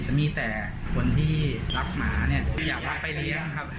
จะมีแต่คนที่รักหมาเนี่ยจะอยากรับไปเลี้ยงครับ